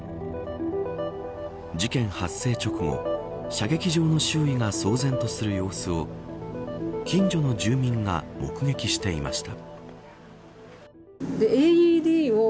事件発生直後射撃場の周囲が騒然とする様子を近所の住民が目撃していました。